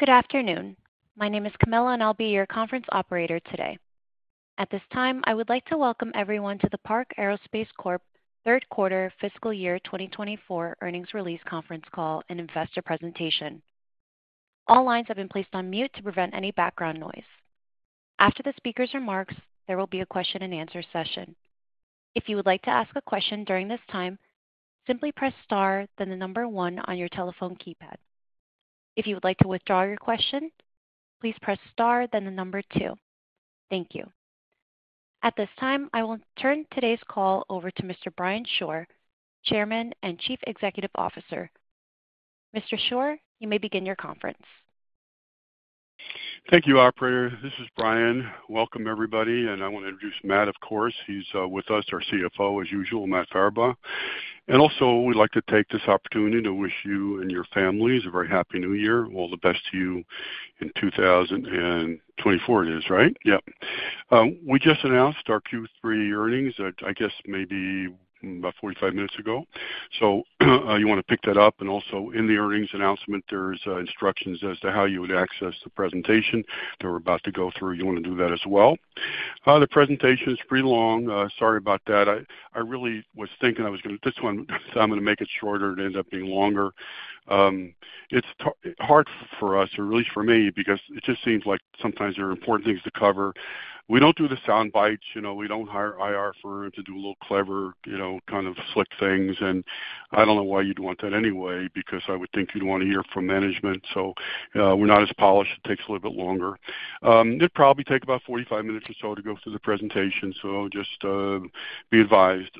Good afternoon. My name is Camilla, and I'll be your conference operator today. At this time, I would like to welcome everyone to the Park Aerospace Corp third quarter fiscal year 2024 earnings release conference call and investor presentation. All lines have been placed on mute to prevent any background noise. After the speaker's remarks, there will be a question and answer session. If you would like to ask a question during this time, simply press Star, then the number 1 on your telephone keypad. If you would like to withdraw your question, please press Star, then the number 2. Thank you. At this time, I will turn today's call over to Mr. Brian Shore, Chairman and Chief Executive Officer. Mr. Shore, you may begin your conference. Thank you, operator. This is Brian. Welcome, everybody, and I want to introduce Matt, of course. He's with us, our CFO, as usual, Matt Farabaugh. And also, we'd like to take this opportunity to wish you and your families a very happy New Year. All the best to you in 2024, it is, right? Yep. We just announced our Q3 earnings, I guess maybe about 45 minutes ago. So, you want to pick that up, and also in the earnings announcement, there's instructions as to how you would access the presentation that we're about to go through. You want to do that as well. The presentation is pretty long. Sorry about that. I really was thinking I was gonna... This one, I'm gonna make it shorter, and it ended up being longer. It's hard for us, or at least for me, because it just seems like sometimes there are important things to cover. We don't do the sound bites. You know, we don't hire IR firms to do a little clever, you know, kind of slick things, and I don't know why you'd want that anyway, because I would think you'd want to hear from management. So, we're not as polished. It takes a little bit longer. It'd probably take about 45 minutes or so to go through the presentation, so just be advised.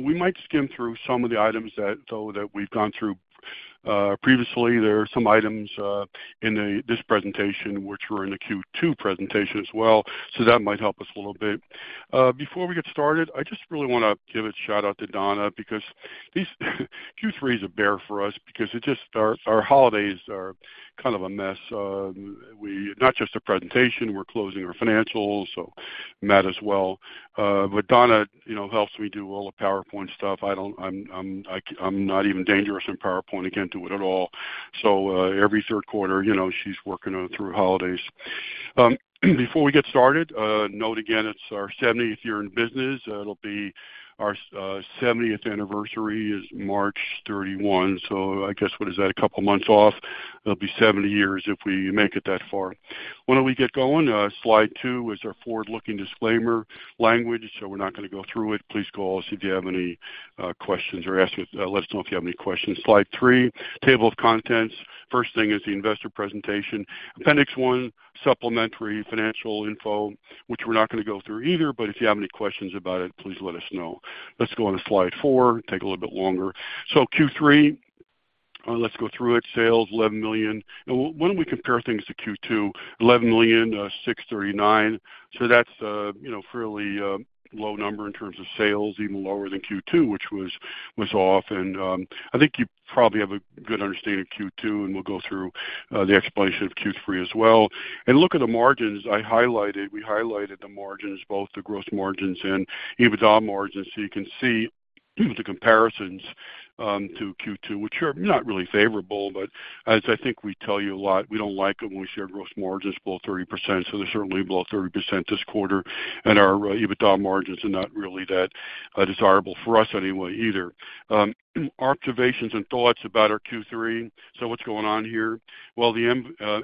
We might skim through some of the items that we've gone through previously. There are some items in this presentation, which were in the Q2 presentation as well, so that might help us a little bit. Before we get started, I just really wanna give a shout-out to Donna, because these Q3 is a bear for us because it just, our holidays are kind of a mess. Not just the presentation, we're closing our financials, so Matt as well. But Donna, you know, helps me do all the PowerPoint stuff. I'm not even dangerous in PowerPoint. I can't do it at all. So every third quarter, you know, she's working on through holidays. Before we get started, note again, it's our 70th year in business. It'll be our 70th anniversary is March 31. So I guess, what is that? A couple of months off. It'll be 70 years if we make it that far. Why don't we get going? Slide 2 is our forward-looking disclaimer language, so we're not going to go through it. Please call us if you have any questions or ask us, let us know if you have any questions. Slide 3, Table of Contents. First thing is the investor presentation. Appendix 1, supplementary financial info, which we're not going to go through either, but if you have any questions about it, please let us know. Let's go on to slide 4. Take a little bit longer. So Q3, let's go through it. Sales, $11 million. Why don't we compare things to Q2? $11 million, $6.39 million. So that's a, you know, fairly low number in terms of sales, even lower than Q2, which was off, and I think you probably have a good understanding of Q2, and we'll go through the explanation of Q3 as well. Look at the margins. I highlighted, we highlighted the margins, both the gross margins and EBITDA margins. You can see the comparisons to Q2, which are not really favorable, but as I think we tell you a lot, we don't like them when we share gross margins below 30%. So they're certainly below 30% this quarter, and our EBITDA margins are not really that desirable for us anyway either. Observations and thoughts about our Q3. So what's going on here? Well, the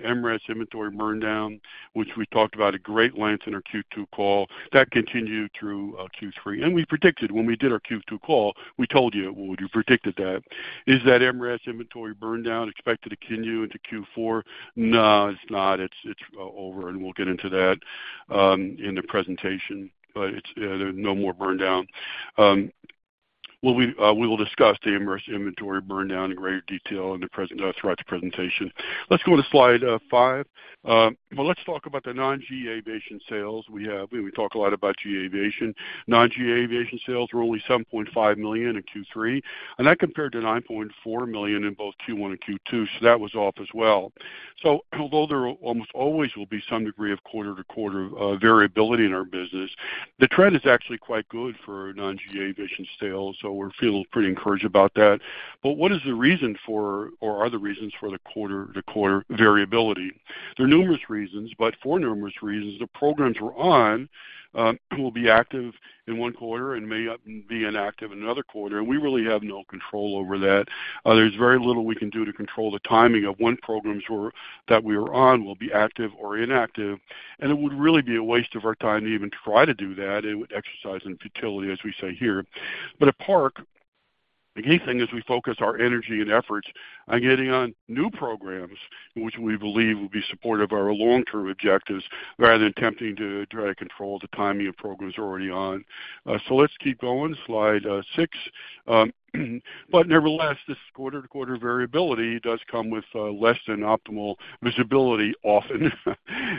MRAS inventory burn down, which we talked about at great length in our Q2 call, that continued through Q3, and we predicted when we did our Q2 call, we told you, we predicted that. Is that MRAS inventory burn down expected to continue into Q4? No, it's not. It's over, and we'll get into that in the presentation, but it's, there's no more burn down. Well, we will discuss the MRAS inventory burn down in greater detail throughout the presentation. Let's go to slide five. Well, let's talk about the non-GA aviation sales we have. We talk a lot about GA aviation. Non-GA aviation sales were only $7.5 million in Q3, and that compared to $9.4 million in both Q1 and Q2, so that was off as well. So although there almost always will be some degree of quarter-to-quarter variability in our business, the trend is actually quite good for non-GA aviation sales, so we're feeling pretty encouraged about that. But what is the reason for, or are the reasons for the quarter-to-quarter variability? There are numerous reasons, but for numerous reasons, the programs we're on will be active in one quarter and may not be inactive in another quarter, and we really have no control over that. There's very little we can do to control the timing of when programs were, that we are on, will be active or inactive, and it would really be a waste of our time to even try to do that. It would exercise in futility, as we say here. But at Park, the key thing is we focus our energy and efforts on getting on new programs, which we believe will be supportive of our long-term objectives, rather than attempting to try to control the timing of programs we're already on. So let's keep going. Slide six. But nevertheless, this quarter-to-quarter variability does come with less than optimal visibility, often.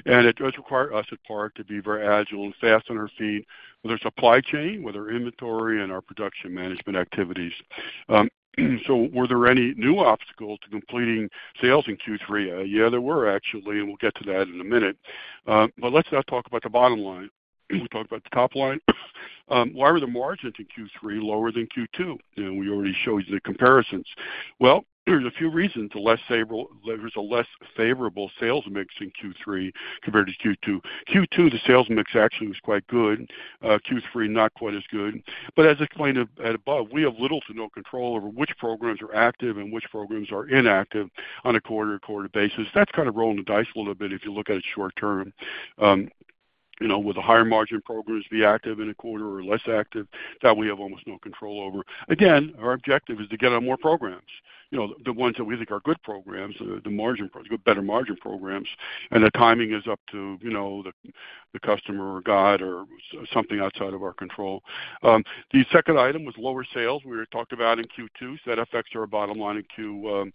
It does require us at Park to be very agile and fast on our feet with our supply chain, with our inventory, and our production management activities. So were there any new obstacles to completing sales in Q3? Yeah, there were actually, and we'll get to that in a minute. But let's not talk about the bottom line. We talked about the top line? Why were the margins in Q3 lower than Q2? We already showed you the comparisons. Well, there's a few reasons. There's a less favorable sales mix in Q3 compared to Q2. Q2, the sales mix actually was quite good. Q3, not quite as good. But as I explained above, we have little to no control over which programs are active and which programs are inactive on a quarter-to-quarter basis. That's kind of rolling the dice a little bit if you look at it short term. You know, will the higher margin programs be active in a quarter or less active? That we have almost no control over. Again, our objective is to get on more programs, you know, the ones that we think are good programs, the margin programs, the better margin programs, and the timing is up to, you know, the, the customer or God or something outside of our control. The second item was lower sales. We talked about in Q2, so that affects our bottom line in Q,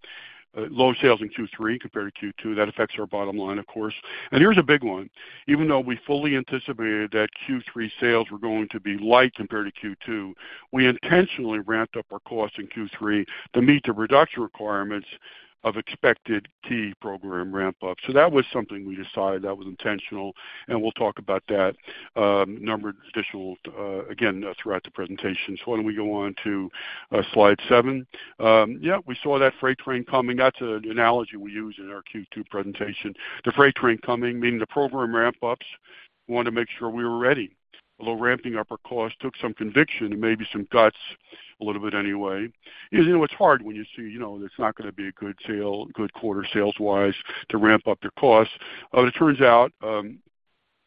Low sales in Q3 compared to Q2, that affects our bottom line, of course. And here's a big one. Even though we fully anticipated that Q3 sales were going to be light compared to Q2, we intentionally ramped up our costs in Q3 to meet the reduction requirements of expected key program ramp-ups. So that was something we decided, that was intentional, and we'll talk about that numerical figures again throughout the presentation. So why don't we go on to slide seven? Yeah, we saw that freight train coming. That's an analogy we used in our Q2 presentation. The freight train coming, meaning the program ramp-ups. We wanted to make sure we were ready. Although ramping up our costs took some conviction and maybe some guts, a little bit anyway. You know, it's hard when you see, you know, there's not going to be good sales, good quarter sales-wise, to ramp up your costs. It turns out,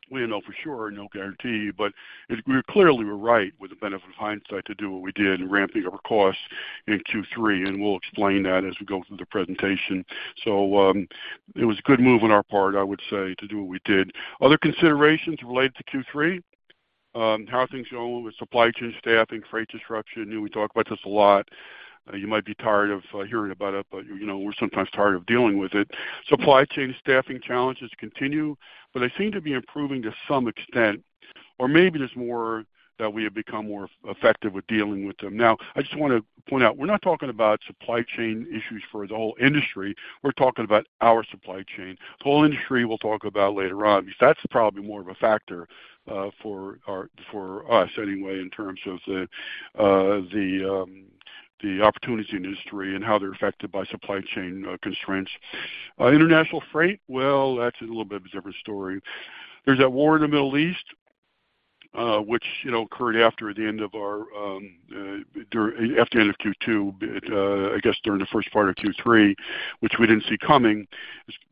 we don't know for sure, no guarantee, but we clearly were right with the benefit of hindsight to do what we did in ramping up our costs in Q3, and we'll explain that as we go through the presentation. It was a good move on our part, I would say, to do what we did. Other considerations related to Q3, how things are going with supply chain staffing, freight disruption. We talk about this a lot. You might be tired of hearing about it, but, you know, we're sometimes tired of dealing with it. Supply chain staffing challenges continue, but they seem to be improving to some extent, or maybe there's more that we have become more effective with dealing with them. Now, I just want to point out, we're not talking about supply chain issues for the whole industry. We're talking about our supply chain. The whole industry, we'll talk about later on, because that's probably more of a factor for us anyway, in terms of the opportunities in the industry and how they're affected by supply chain constraints. International freight, well, that's a little bit of a different story. There's that war in the Middle East, which, you know, occurred after the end of Q2, I guess during the first part of Q3, which we didn't see coming,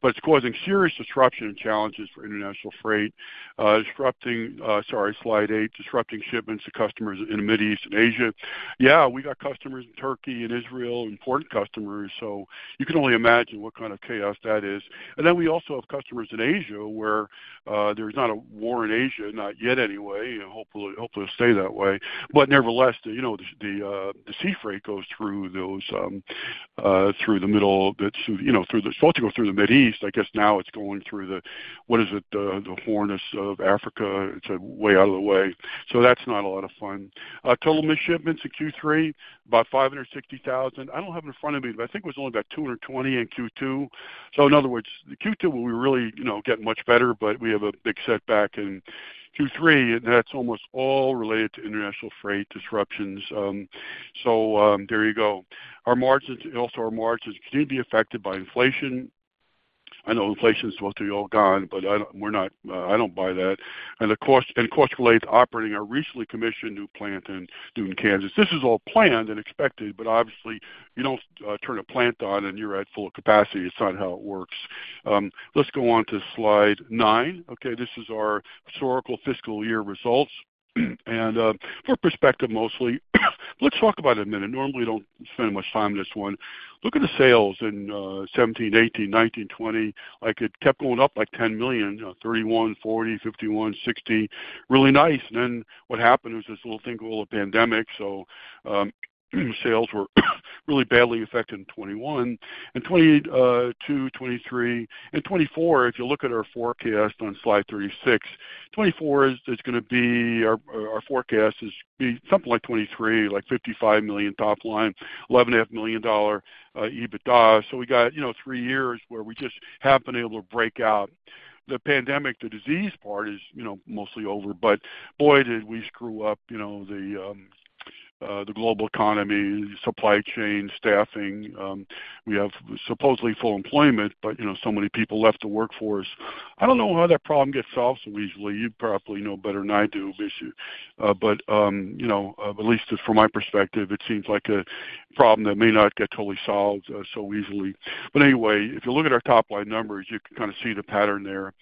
but it's causing serious disruption and challenges for international freight, disrupting... Sorry, slide eight, disrupting shipments to customers in the Middle East and Asia. Yeah, we got customers in Turkey and Israel, important customers, so you can only imagine what kind of chaos that is. And then we also have customers in Asia, where there's not a war in Asia, not yet anyway, and hopefully, hopefully it'll stay that way. But nevertheless, you know, the sea freight goes through those through the middle of it. You know, through the. It's supposed to go through the Middle East. I guess now it's going through the, what is it? The Horn of Africa. It's a way out of the way, so that's not a lot of fun. Total missed shipments in Q3, about 560,000. I don't have it in front of me, but I think it was only about 220 in Q2. So in other words, Q2, we really getting much better, but we have a big setback in Q3, and that's almost all related to international freight disruptions. So, there you go. Our margins, also our margins continue to be affected by inflation. I know inflation is supposed to be all gone, but we're not, I don't buy that. The cost and cost relates to operating our recently commissioned new plant in Newton, Kansas. This is all planned and expected, but obviously you don't, turn a plant on and you're at full capacity. It's not how it works. Let's go on to slide 9. Okay, this is our historical fiscal year results, and, for perspective, mostly. Let's talk about it a minute. Normally, we don't spend much time on this one. Look at the sales in, 2017, 2018, 2019, 2020. Like, it kept going up, like, $10 million, you know, $31 million, $40 million, $51 million, $60 million. Really nice. Then what happened was this little thing called a pandemic. So, sales were really badly affected in 2021 and 2022, 2023 and 2024. If you look at our forecast on slide 36, 2024 is just gonna be our, our forecast is something like 2023, like $55 million top line, $11.5 million EBITDA. So we got, you know, three years where we just have been able to break out. The pandemic, the disease part is, you know, mostly over, but boy, did we screw up, you know, the global economy, supply chain, staffing. We have supposedly full employment, but, you know, so many people left the workforce. I don't know how that problem gets solved so easily. You probably know better than I do, but, you know, at least from my perspective, it seems like a problem that may not get totally solved, so easily. But anyway, if you look at our top-line numbers, you can kind of see the pattern there.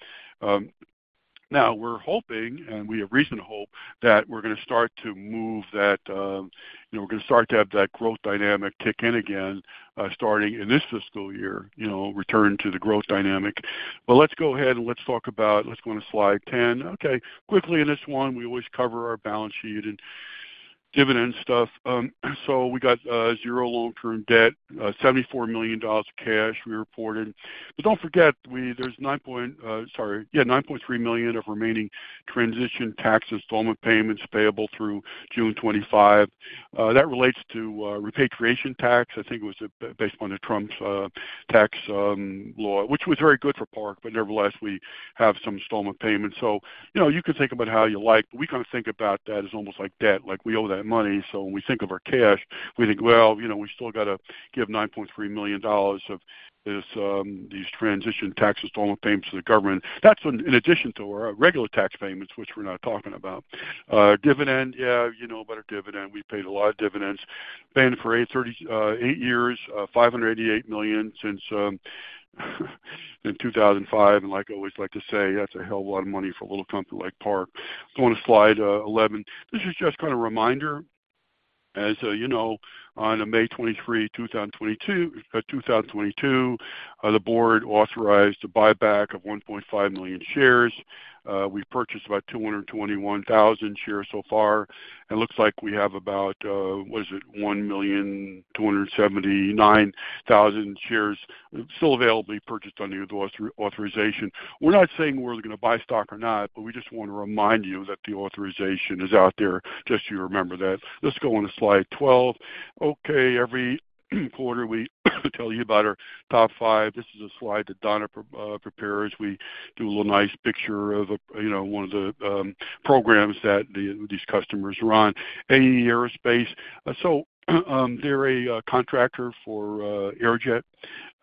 Now we're hoping, and we have reason to hope, that we're going to start to move that, you know, we're going to start to have that growth dynamic kick in again, starting in this fiscal year, you know, return to the growth dynamic. But let's go ahead and let's talk about... Let's go on to slide 10. Okay, quickly, in this one, we always cover our balance sheet, and dividend stuff. So we got 0 long-term debt, $74 million of cash we reported. But don't forget, we, there's 9 point, sorry. Yeah, $9.3 million of remaining transition tax installment payments payable through June 25. That relates to repatriation tax. I think it was based upon the Trump's tax law, which was very good for Park, but nevertheless, we have some installment payments. So, you know, you can think about how you like, but we kind of think about that as almost like debt, like we owe that money. So when we think of our cash, we think, well, you know, we still got to give $9.3 million of this, these transition tax installment payments to the government. That's in addition to our regular tax payments, which we're not talking about. Dividend, yeah, you know about our dividend. We paid a lot of dividends. Been for $830, eight years, $588 million since in 2005. And like I always like to say, that's a hell of a lot of money for a little company like Park. Go on to slide 11. This is just kind of a reminder, as you know, on May 23, 2022, 2022, the board authorized a buyback of 1.5 million shares. We've purchased about 221,000 shares so far, and it looks like we have about, what is it? 1,279,000 shares still available to be purchased under the authorization. We're not saying we're going to buy stock or not, but we just want to remind you that the authorization is out there, just so you remember that. Let's go on to slide 12. Okay, every quarter, we tell you about our top five. This is a slide that Donna prepares. We do a little nice picture of, you know, one of the programs that these customers are on. AE Aerospace. So, they're a contractor for Aerojet,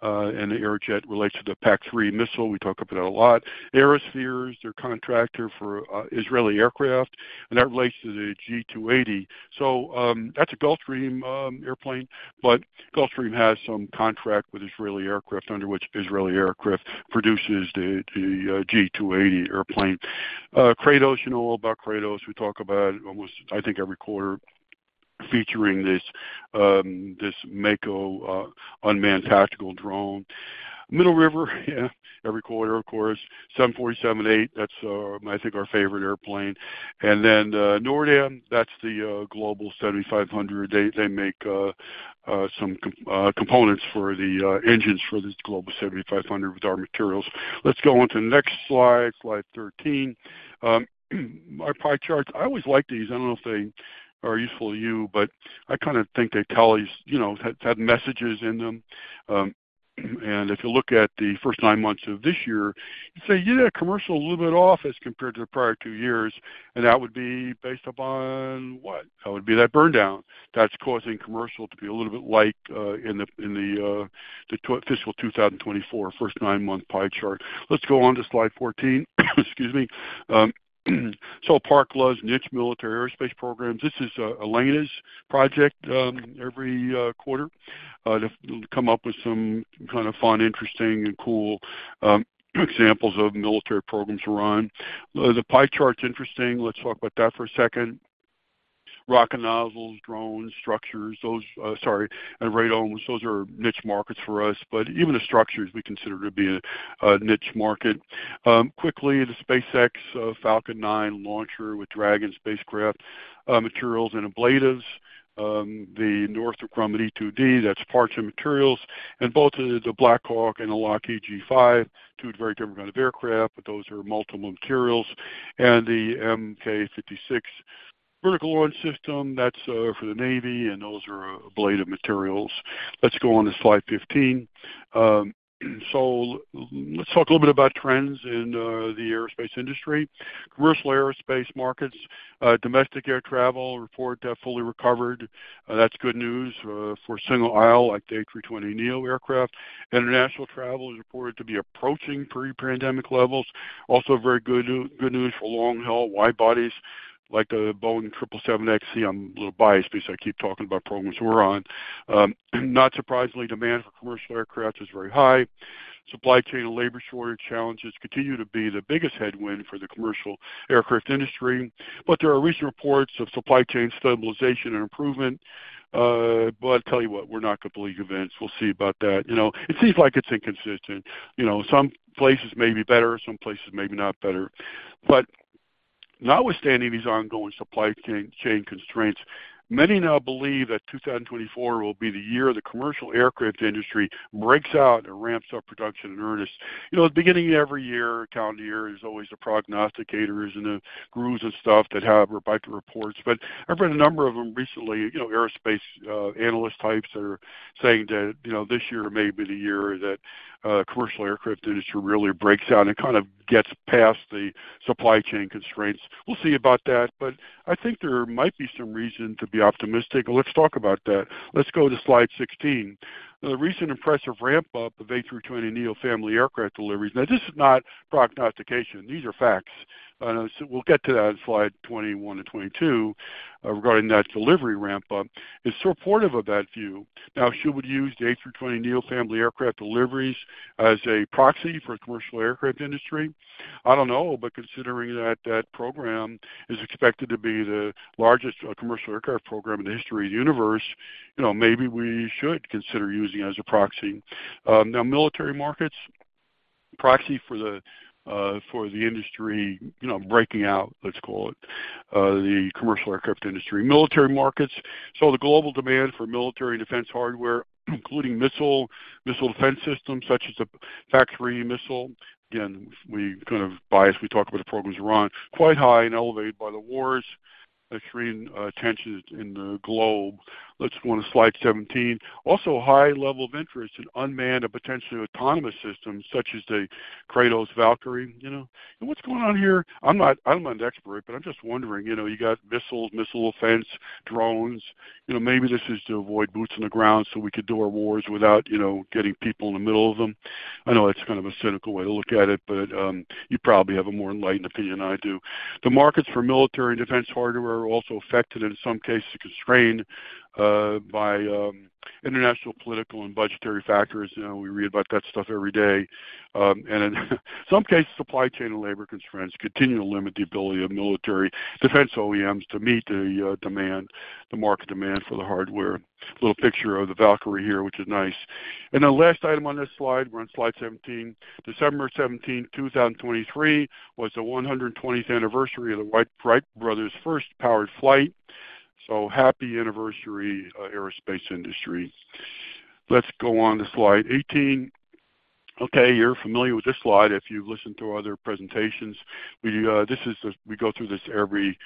and the Aerojet relates to the PAC-3 missile. We talk about that a lot. Aerosphere is their contractor for Israeli aircraft, and that relates to the G280. So, that's a Gulfstream airplane, but Gulfstream has some contract with Israeli Aircraft, under which Israeli Aircraft produces the G280 airplane. Kratos, you know all about Kratos. We talk about almost, I think, every quarter, featuring this Mako unmanned tactical drone. Middle River, yeah, every quarter, of course, 747-8. That's, I think, our favorite airplane. And then, NORDAM, that's the Global 7500. They make some components for the engines for this Global 7500 with our materials. Let's go on to the next slide, slide 13. Our pie charts. I always like these. I don't know if they are useful to you, but I kind of think they tell these, you know, have messages in them. And if you look at the first 9 months of this year, you say, "Yeah, commercial is a little bit off as compared to the prior two years, and that would be based upon what? That would be that burndown that's causing commercial to be a little bit light in the fiscal 2024 first 9-month pie chart. Let's go on to slide 14. Excuse me. So Park loves niche military aerospace programs. This is Elena's project, every quarter to come up with some kind of fun, interesting, and cool examples of military programs we're on. The pie chart's interesting. Let's talk about that for a second. Rocket nozzles, drones, structures, those, and radomes. Those are niche markets for us, but even the structures we consider to be a niche market. Quickly, the SpaceX Falcon 9 launcher with Dragon spacecraft, materials and ablatives. The Northrop Grumman E-2D, that's parts and materials, and both the Black Hawk and the Lockheed F-35, two very different kind of aircraft, but those are multiple materials. And the MK56 vertical launch system, that's for the Navy, and those are ablative materials. Let's go on to slide 15. So let's talk a little bit about trends in the aerospace industry. Commercial aerospace markets, domestic air travel, report that fully recovered. That's good news for single aisle like the A320neo aircraft. International travel is reported to be approaching pre-pandemic levels. Also, very good new, good news for long-haul wide-bodies like the Boeing 777X. I'm a little biased because I keep talking about programs we're on. Not surprisingly, demand for commercial aircraft is very high. Supply chain and labor shortage challenges continue to be the biggest headwind for the commercial aircraft industry, but there are recent reports of supply chain stabilization and improvement. But I tell you what, we're not going to believe events. We'll see about that. You know, it seems like it's inconsistent. You know, some places may be better, some places may be not better. But notwithstanding these ongoing supply chain constraints, many now believe that 2024 will be the year the commercial aircraft industry breaks out and ramps up production in earnest. You know, at the beginning of every year, calendar year, there's always the prognosticators and the gurus and stuff that have their bike reports, but I've read a number of them recently. You know, aerospace, analyst types are saying that, you know, this year may be the year that, commercial aircraft industry really breaks out and kind of gets past the supply chain constraints. We'll see about that, but I think there might be some reason to be optimistic. Let's talk about that. Let's go to slide 16. The recent impressive ramp-up of A320neo family aircraft deliveries. Now, this is not prognostication. These are facts. So we'll get to that in slide 21 and 22, regarding that delivery ramp-up, is supportive of that view. Now, should we use the A320neo family aircraft deliveries as a proxy for commercial aircraft industry? I don't know, but considering that that program is expected to be the largest commercial aircraft program in the history of the universe, you know, maybe we should consider using it as a proxy. Now, military markets proxy for the, for the industry, you know, breaking out, let's call it, the commercial aircraft industry. Military markets. So the global demand for military and defense hardware, including missile, missile defense systems such as the PAC-3 missile. Again, we kind of biased. We talk about the programs we're on, quite high and elevated by the wars, extreme, tensions in the globe. Let's go on to slide 17. Also, high level of interest in unmanned and potentially autonomous systems, such as the Kratos Valkyrie, you know? And what's going on here, I'm not, I'm not an expert, but I'm just wondering, you know, you got missiles, missile defense, drones. You know, maybe this is to avoid boots on the ground so we could do our wars without, you know, getting people in the middle of them. I know that's kind of a cynical way to look at it, but you probably have a more enlightened opinion than I do. The markets for military and defense hardware are also affected, and in some cases, constrained by international, political, and budgetary factors. You know, we read about that stuff every day. In some cases, supply chain and labor constraints continue to limit the ability of military defense OEMs to meet the demand, the market demand for the hardware. A little picture of the Valkyrie here, which is nice. And the last item on this slide, we're on slide 17. December 17, 2023, was the 120th anniversary of the Wright brothers' first powered flight. So happy anniversary, aerospace industry. Let's go on to slide 18. Okay, you're familiar with this slide if you've listened to our other presentations. We go through this every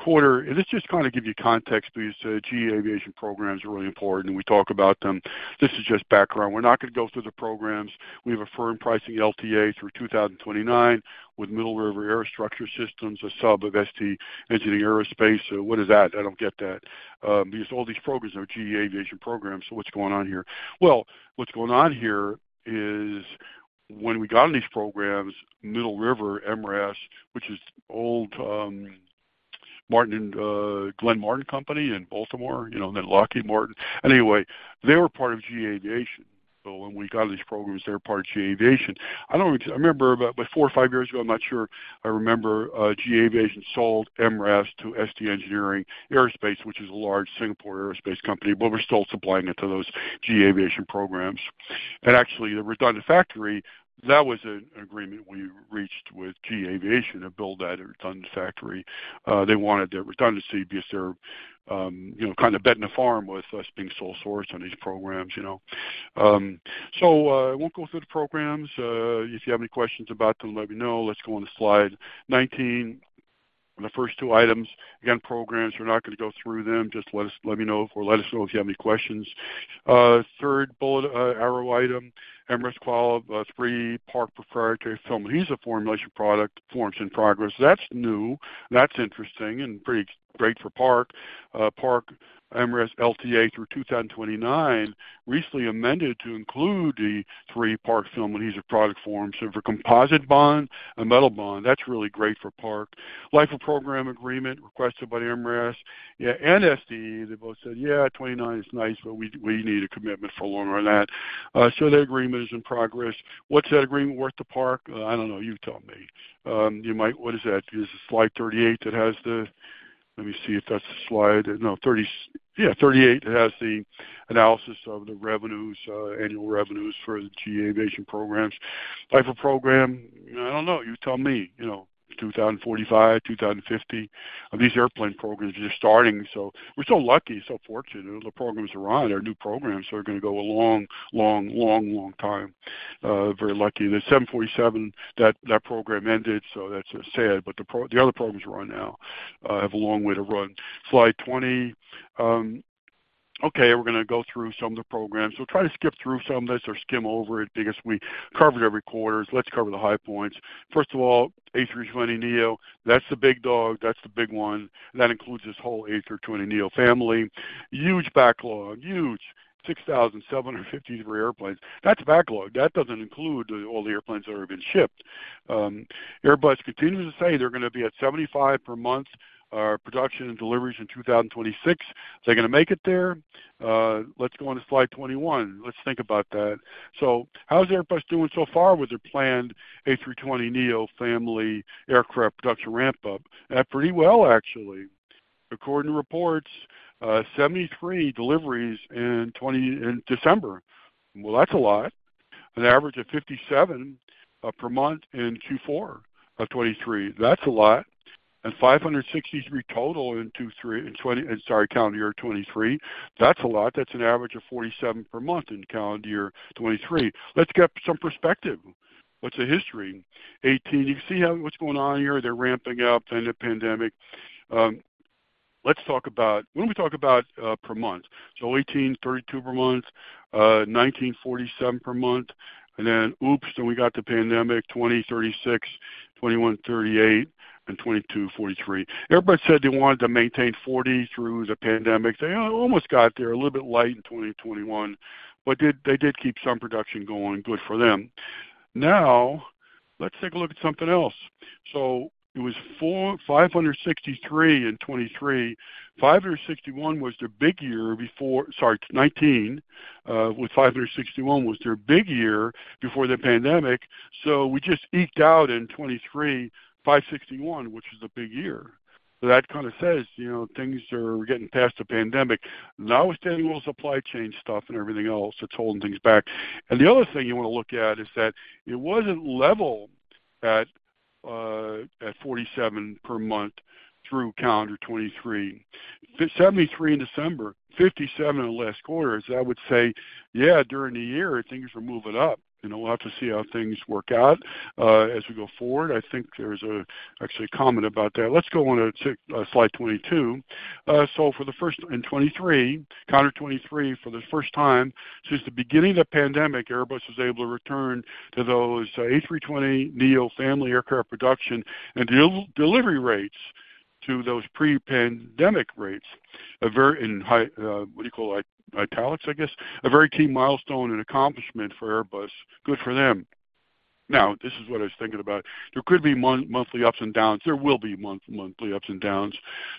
quarter, and this just kind of give you context because GE Aviation programs are really important, and we talk about them. This is just background. We're not going to go through the programs. We have a firm pricing LTA through 2029 with Middle River Aerostructure Systems, a sub of ST Engineering Aerospace. What is that? I don't get that. Because all these programs are GE Aviation programs, so what's going on here? Well, what's going on here is when we got in these programs, Middle River, MRAS, which is old, Martin and Glenn Martin Company in Baltimore, you know, then Lockheed Martin. Anyway, they were part of GE Aviation. So when we got these programs, they were part of GE Aviation. I don't, I remember about four or five years ago, I'm not sure, I remember, GE Aviation sold MRAS to ST Engineering Aerospace, which is a large Singapore aerospace company, but we're still supplying it to those GE Aviation programs. Actually, the redundant factory, that was an agreement we reached with GE Aviation to build that redundant factory. They wanted their redundancy because they're, you know, kind of betting the farm with us being sole sourced on these programs, you know? I won't go through the programs. If you have any questions about them, let me know. Let's go on to slide 19. The first two items, again, programs, we're not going to go through them. Just let us, let me know or let us know if you have any questions. Third bullet, arrow item, MRAS qual of three Park proprietary film adhesive formulation product forms in progress. That's new. That's interesting and pretty great for Park. Park, MRAS LTA through 2029, recently amended to include the three Park film adhesive product forms. So for composite bond and metal bond, that's really great for PARC. Life-of-program agreement requested by MRAS. Yeah, and STE, they both said, "Yeah, 29 is nice, but we, we need a commitment for longer than that." So that agreement is in progress. What's that agreement worth to PARC? I don't know. You tell me. You might... What is that? Is it slide 38 that has the Let me see if that's the slide. No, 30... Yeah, 38 has the analysis of the revenues, annual revenues for the GE Aviation programs. Life-of-program, I don't know. You tell me. You know, 2045, 2050. These airplane programs are just starting, so we're so lucky, so fortunate. The programs are on. Our new programs are going to go a long, long, long, long time. Very lucky. The 747, that program ended, so that's sad, but the other programs we're on now have a long way to run. Slide 20. Okay, we're gonna go through some of the programs. We'll try to skip through some of this or skim over it because we cover it every quarter. Let's cover the high points. First of all, A320neo, that's the big dog, that's the big one, and that includes this whole A320neo family. Huge backlog, huge, 6,753 airplanes. That's a backlog. That doesn't include the all the airplanes that have been shipped. Airbus continues to say they're gonna be at 75 per month production and deliveries in 2026. Are they gonna make it there? Let's go on to slide 21. Let's think about that. So how's Airbus doing so far with their planned A320neo family aircraft production ramp up? Pretty well, actually. According to reports, 73 deliveries in 20-- in December. Well, that's a lot. An average of 57 per month in Q4 of 2023. That's a lot. And 563 total in 23, in 20... Sorry, calendar year 2023. That's a lot. That's an average of 47 per month in calendar year 2023. Let's get some perspective. What's the history? 2018, you can see how, what's going on here. They're ramping up, then the pandemic. Let's talk about-- what do we talk about per month? So 2018, 32 per month, 2019, 47 per month, and then, oops, then we got the pandemic, 2020, 36, 2021, 38, and 2022, 43. Airbus said they wanted to maintain 40 through the pandemic. They almost got there, a little bit light in 2021, but did, they did keep some production going. Good for them. Now, let's take a look at something else. So it was 453 in 2023. 561 was their big year before, sorry, 2019, with 561 was their big year before the pandemic. So we just eked out in 2023, 561, which is a big year. So that kind of says, you know, things are getting past the pandemic, notwithstanding little supply chain stuff and everything else, that's holding things back. And the other thing you want to look at is that it wasn't level at, at 47 per month through calendar 2023. 73 in December, 57 in the last quarter. I would say, yeah, during the year, things were moving up, and we'll have to see how things work out, as we go forward. I think there's actually a comment about that. Let's go on to, slide 22. So in 2023, calendar 2023, for the first time since the beginning of the pandemic, Airbus was able to return to those A320neo family aircraft production and delivery rates to those pre-pandemic rates, a very high, what do you call, italics, I guess. A very key milestone and accomplishment for Airbus. Good for them! Now, this is what I was thinking about. There could be monthly ups and downs. There will be monthly ups and downs,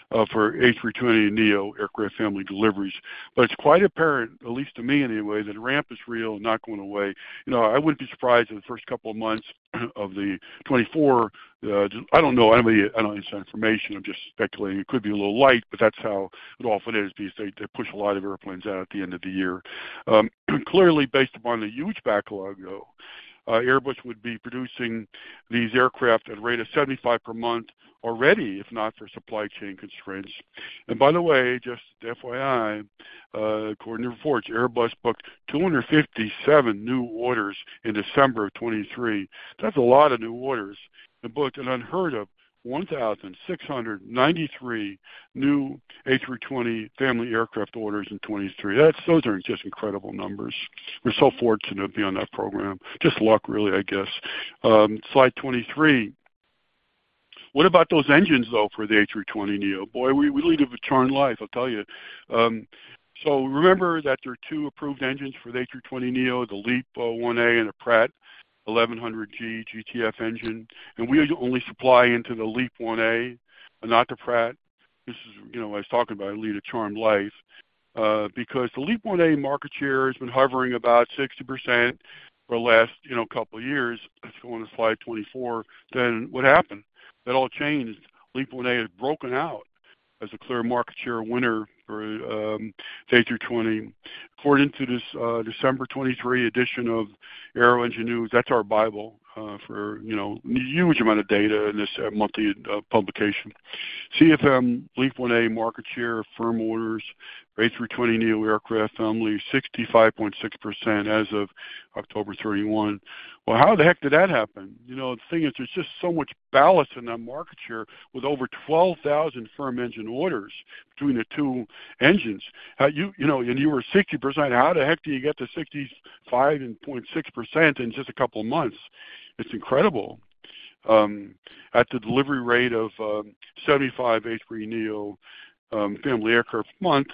for A320neo aircraft family deliveries. But it's quite apparent, at least to me anyway, that ramp is real and not going away. You know, I wouldn't be surprised if the first couple of months of the 2024, I don't know anybody, I don't have any information, I'm just speculating. It could be a little light, but that's how it often is, because they, they push a lot of airplanes out at the end of the year. Clearly, based upon the huge backlog, though, Airbus would be producing these aircraft at a rate of 75 per month already, if not for supply chain constraints. And by the way, just FYI, according to reports, Airbus booked 257 new orders in December of 2023. That's a lot of new orders, and booked an unheard of 1,693 new A320 family aircraft orders in 2023. That's, those are just incredible numbers. We're so fortunate to be on that program. Just luck, really, I guess. Slide 23. What about those engines, though, for the A320neo? Boy, we lead a charmed life, I'll tell you. So remember that there are two approved engines for the A320neo, the LEAP-1A and the Pratt 1100G GTF engine, and we only supply into the LEAP-1A and not to Pratt. This is, you know, I was talking about lead a charmed life, because the LEAP-1A market share has been hovering about 60% for the last, you know, couple of years. Let's go on to slide 24. Then what happened? That all changed. LEAP-1A has broken out as a clear market share winner for, the A320. According to this, December 2023 edition of Aero Engine News, that's our Bible, for, you know, a huge amount of data in this monthly, publication. CFM LEAP-1A market share firm orders for A320neo aircraft family, 65.6% as of October 31. Well, how the heck did that happen? You know, the thing is, there's just so much ballast in that market share with over 12,000 firm engine orders between the two engines. How you, you know, and you were 60%, how the heck do you get to 65.6% in just a couple of months? It's incredible. At the delivery rate of 75 A320neo family aircraft a month,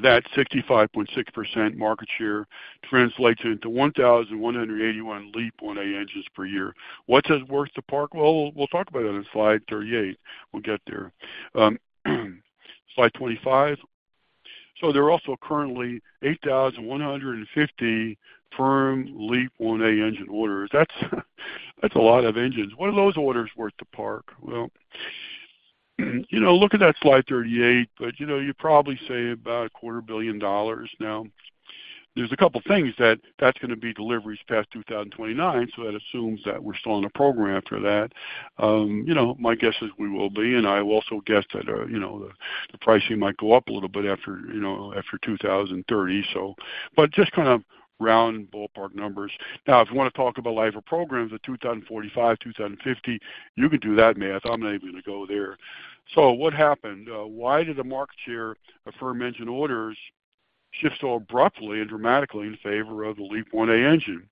that 65.6% market share translates into 1,181 LEAP-1A engines per year. What's that worth to Park? Well, we'll talk about it on slide 38. We'll get there. Slide 25. So there are also currently 8,150 firm LEAP-1A engine orders. That's a lot of engines. What are those orders worth to Park? Well, you know, look at that slide 38, but, you know, you probably say about $250 million. Now, there's a couple things that that's going to be deliveries past 2029, so that assumes that we're still in the program after that. You know, my guess is we will be, and I also guess that, you know, the pricing might go up a little bit after, you know, after 2030. So, but just kind of round ballpark numbers. Now, if you want to talk about life of programs at 2045, 2050, you can do that math. I'm not even going to go there. So what happened? Why did the market share of firm engine orders shift so abruptly and dramatically in favor of the LEAP-1A engine?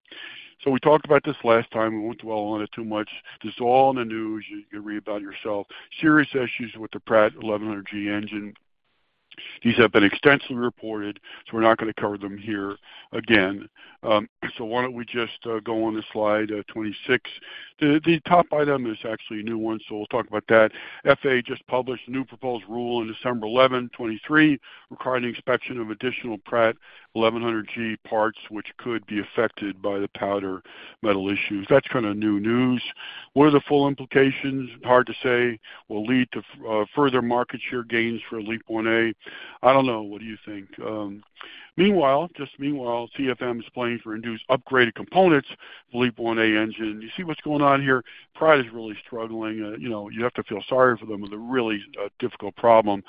So we talked about this last time. We won't dwell on it too much. This is all in the news. You can read about it yourself. Serious issues with the Pratt 1100G engine. These have been extensively reported, so we're not going to cover them here again. So why don't we just go on to slide 26? The top item is actually a new one, so we'll talk about that. FAA just published a new proposed rule on December 11, 2023, requiring inspection of additional Pratt 1100G parts, which could be affected by the powder metal issues. That's kind of new news. What are the full implications? Hard to say. Will lead to further market share gains for LEAP-1A. I don't know. What do you think? Meanwhile, just meanwhile, CFM is planning for induced upgraded components for LEAP-1A engine. You see what's going on here? Pratt is really struggling. You know, you have to feel sorry for them with a really difficult problem.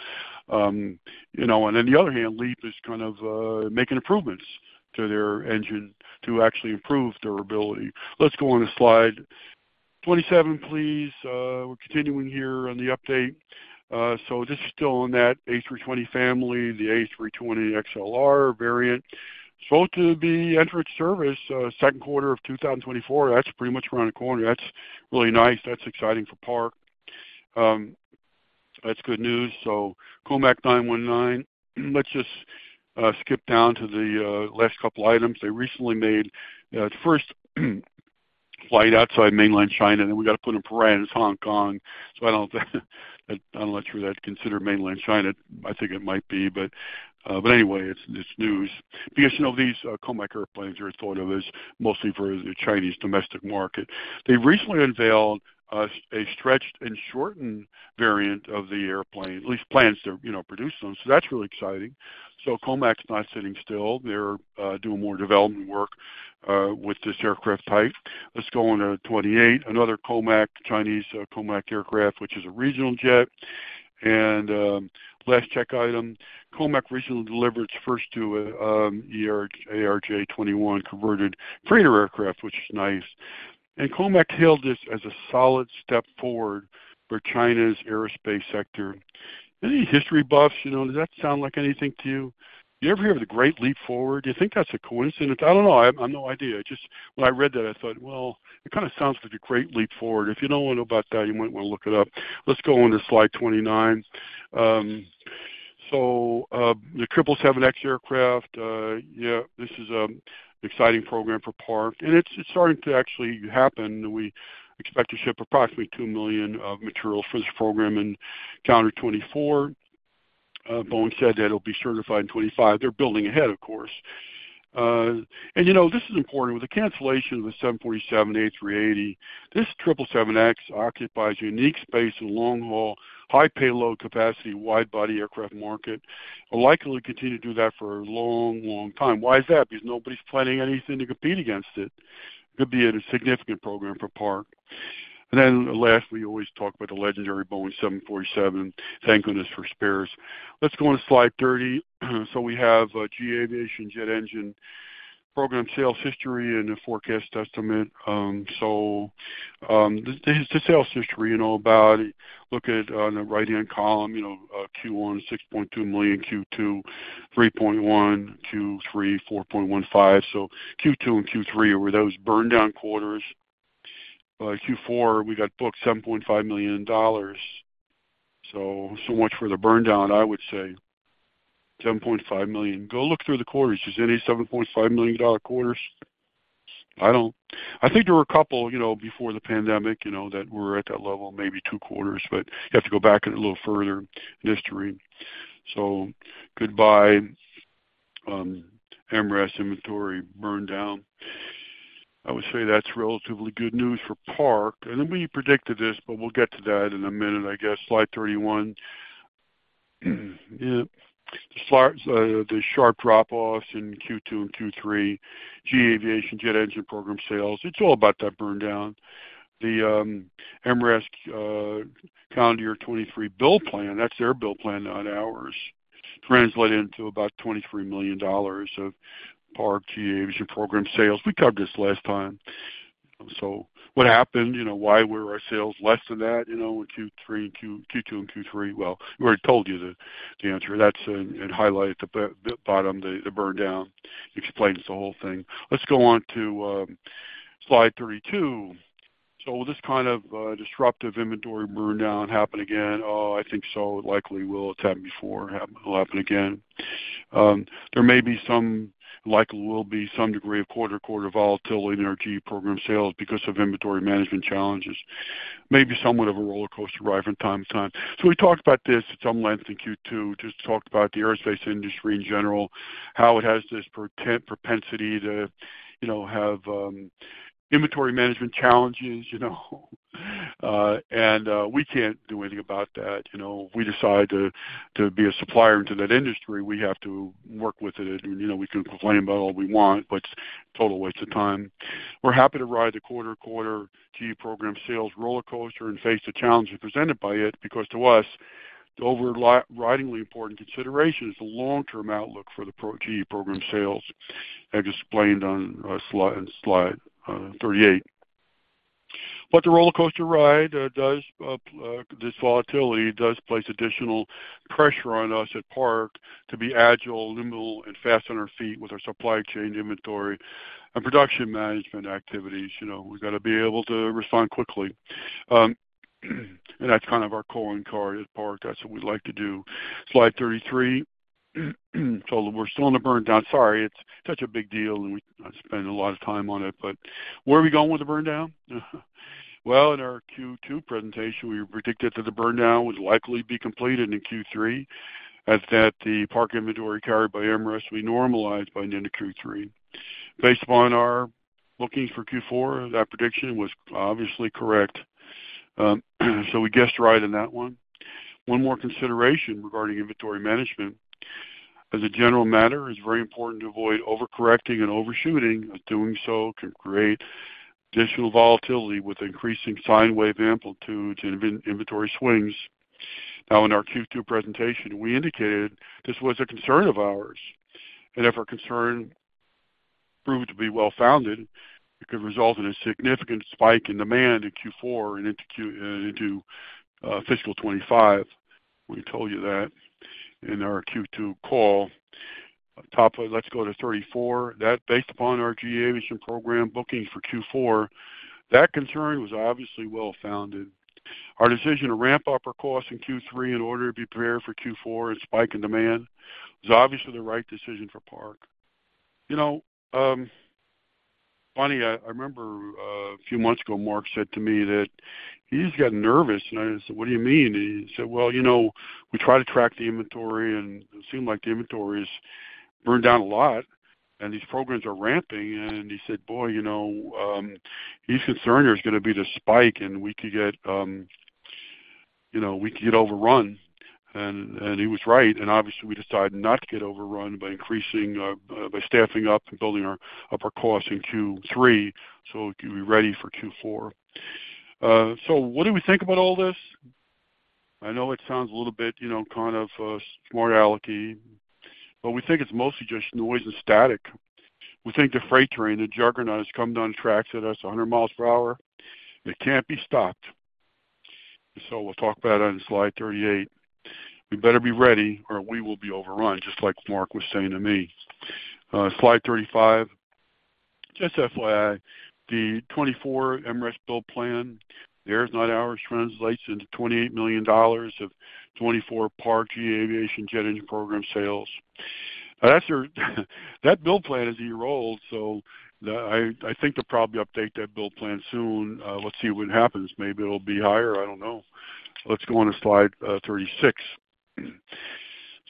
You know, on the other hand, LEAP is kind of making improvements to their engine to actually improve durability. Let's go on to slide 27, please. We're continuing here on the update. So this is still on that A320 family, the A320XLR variant, spoke to be entered service, second quarter of 2024. That's pretty much around the corner. That's really nice. That's exciting for Park. That's good news. So COMAC 919. Let's just skip down to the last couple items. They recently made its first flight outside mainland China, and we got to put in a parenthesis, Hong Kong. So I don't, I'm not sure that's considered mainland China. I think it might be, but anyway, it's news. Because, you know, these COMAC airplanes are thought of as mostly for the Chinese domestic market. They recently unveiled a stretched and shortened variant of the airplane, at least plans to, you know, produce them. So that's really exciting. So COMAC's not sitting still. They're doing more development work with this aircraft type. Let's go on to 28, another COMAC, Chinese COMAC aircraft, which is a regional jet. And last check item, COMAC recently delivered its first 2 ARJ21 converted freighter aircraft, which is nice. And COMAC hailed this as a solid step forward for China's aerospace sector. Any history buffs, you know, does that sound like anything to you? You ever hear of the Great Leap Forward? Do you think that's a coincidence? I don't know. I have no idea. Just when I read that, I thought, well, it kind of sounds like the Great Leap Forward. If you don't know about that, you might want to look it up. Let's go on to slide 29. The 777X aircraft, yeah, this is an exciting program for Park, and it's starting to actually happen. We expect to ship approximately $2 million of materials for this program in calendar 2024. Boeing said that it'll be certified in 2025. They're building ahead, of course. And you know, this is important. With the cancellation of the 747, A380, this 777X occupies unique space in long-haul, high payload capacity, wide-body aircraft market, and likely to continue to do that for a long, long time. Why is that? Because nobody's planning anything to compete against it. It could be a significant program for Park. And then lastly, we always talk about the legendary Boeing 747. Thank goodness for spares. Let's go on to slide 30. So we have a GE Aviation jet engine program, sales history, and a forecast estimate. So, the sales history, you know, about... Look at on the right-hand column, you know, Q1, $6.2 million, Q2, $3.1 million, Q3, $4.15 million. So Q2 and Q3 were those burn down quarters. Q4, we got booked $7.5 million. So, so much for the burn down, I would say. $7.5 million. Go look through the quarters. Is there any $7.5 million quarters? I don't. I think there were a couple, you know, before the pandemic, you know, that were at that level, maybe two quarters, but you have to go back a little further in history. So goodbye, MRAS inventory burn down. I would say that's relatively good news for Park, and we predicted this, but we'll get to that in a minute, I guess. Slide 31. Yeah. Slides, the sharp drop-offs in Q2 and Q3, GE Aviation jet engine program sales, it's all about that burn down. The, MRAS, calendar year 2023 bill plan, that's their bill plan, not ours, translated into about $23 million of Park GE Aviation program sales. We covered this last time. So what happened? You know, why were our sales less than that, you know, in Q2 and Q3? Well, we already told you the answer. That's in highlight at the bottom, the burn down explains the whole thing. Let's go on to slide 32. So will this kind of disruptive inventory burn down happen again? Oh, I think so. It likely will. It's happened before. It'll happen again. There may be some, likely will be some degree of quarter-to-quarter volatility in our GE program sales because of inventory management challenges. Maybe somewhat of a rollercoaster ride from time to time. So we talked about this at some length in Q2, just talked about the aerospace industry in general, how it has this propensity to, you know, have inventory management challenges, you know, and we can't do anything about that. You know, if we decide to be a supplier to that industry, we have to work with it. You know, we can complain about all we want, but it's a total waste of time. We're happy to ride the quarter-to-quarter GE program sales rollercoaster and face the challenges presented by it, because to us, the overridingly important consideration is the long-term outlook for the GE program sales, as explained on slide 38. But the rollercoaster ride does this volatility does place additional pressure on us at Park to be agile, nimble, and fast on our feet with our supply chain, inventory, and production management activities. You know, we've got to be able to respond quickly. And that's kind of our calling card at Park. That's what we like to do. Slide 33. So we're still on the burn down. Sorry, it's such a big deal, and we spend a lot of time on it, but where are we going with the burn down? Well, in our Q2 presentation, we predicted that the burn down would likely be completed in Q3, as that the Park inventory carried by MRAS will be normalized by the end of Q3. Based upon our bookings for Q4, that prediction was obviously correct. So we guessed right on that one. One more consideration regarding inventory management. As a general matter, it's very important to avoid overcorrecting and overshooting, as doing so can create additional volatility with increasing sine wave amplitude and inventory swings. Now, in our Q2 presentation, we indicated this was a concern of ours, and if our concern proved to be well-founded, it could result in a significant spike in demand in Q4 and into Q into fiscal 2025. We told you that in our Q2 call. Let's go to 34. That, based upon our GE Aviation program booking for Q4, that concern was obviously well-founded. Our decision to ramp up our costs in Q3 in order to be prepared for Q4 and spike in demand was obviously the right decision for Park. You know,... Funny, I, I remember, a few months ago, Mark said to me that he just got nervous, and I said: "What do you mean?" He said, "Well, you know, we try to track the inventory, and it seemed like the inventory is burned down a lot, and these programs are ramping." And he said, "Boy, you know, he's concerned there's going to be this spike, and we could get, you know, we could get overrun." And he was right. And obviously, we decided not to get overrun by increasing, by staffing up and building our up our costs in Q3, so we could be ready for Q4. So what do we think about all this? I know it sounds a little bit, you know, kind of, smart alecky, but we think it's mostly just noise and static. We think the freight train, the juggernaut, is coming down the tracks at us 100 miles per hour. It can't be stopped. So we'll talk about it on slide 38. We better be ready, or we will be overrun, just like Mark was saying to me. Slide 35. Just FYI, the 2024 MRAS build plan, theirs, not ours, translates into $28 million of 2024 Park GE Aviation jet engine program sales. That's ours, that build plan is a year old, so I think they'll probably update that build plan soon. Let's see what happens. Maybe it'll be higher, I don't know. Let's go on to slide 36.